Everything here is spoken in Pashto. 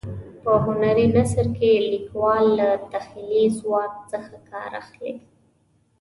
په هنري نثر کې لیکوال له تخیلي ځواک څخه کار اخلي.